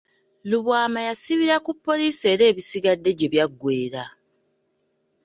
Lubwama yasibira ku poliisi era ebisigadde gye byagweera.